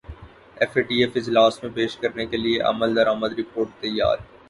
F A T F اجلاس میں پیش کرنے کیلئے عملدرامد رپورٹ تیار